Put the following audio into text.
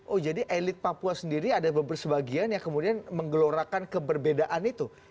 oh jadi elit papua sendiri ada beberapa sebagian yang kemudian menggelorakan keberbedaan itu